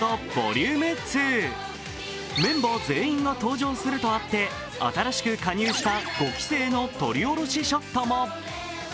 メンバー全員が登場するとあって新しく加入した５期生の撮り下ろしショットも。